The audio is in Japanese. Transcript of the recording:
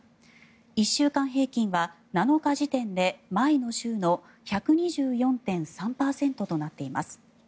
１週間平均は７日時点で前の週の１２４．３％となっています。